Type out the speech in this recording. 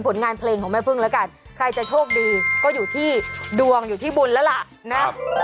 ผลงานเพลงของแม่พึ่งแล้วกันใครจะโชคดีก็อยู่ที่ดวงอยู่ที่บุญแล้วล่ะนะ